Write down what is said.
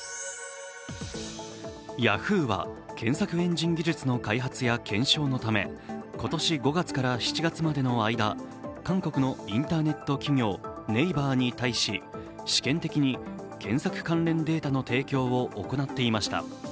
ヤフーは検索エンジン技術の開発や検証のため今年５月から７月までの間、韓国のインターネット企業、ＮＡＶＥＲに対し試験的に検索関連データの提供を行っていました。